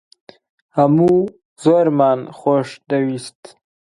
هەموو زۆرمان خۆش دەویست